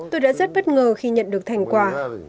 tôi đã rất bất ngờ khi nhận được thành quả